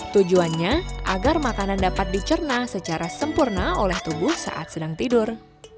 tujuannya agar makanan dapat dicerna secara sempurna oleh tubuh saat sedang tidur